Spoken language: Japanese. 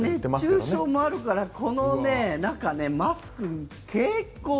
熱中症もあるからこの中、マスク。